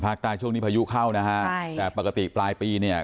ช่วงนี้พายุเข้านะฮะใช่แต่ปกติปลายปีเนี่ย